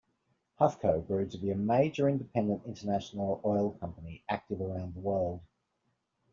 Huffco grew to be a major independent international oil company active around the world.